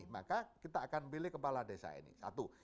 maka kita akan pilih kepala desa ini satu